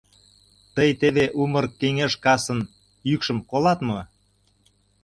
Тый теве умыр кеҥеж касын йӱкшым колат мо?